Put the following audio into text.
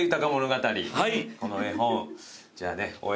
この絵本じゃあね大江